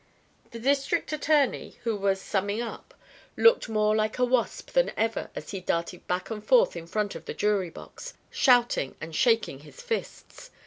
The district attorney, who was summing up, looked more like a wasp than ever as he darted back and forth in front of the jury box, shouting and shaking his fists.